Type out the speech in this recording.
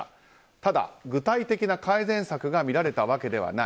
ただ、具体的な改善策が見られたわけではない。